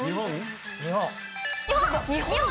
日本！